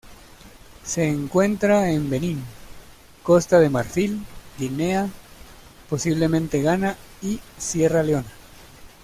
Se encuentra en Benín, Costa de Marfil, Guinea, posiblemente Ghana, y Sierra Leona.